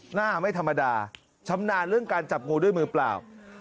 หน้าไม่ธรรมดาชำนาญเรื่องการจับงูด้วยมือเปล่า